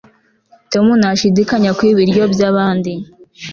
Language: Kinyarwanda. tom ntashidikanya kwiba ibiryo byabandi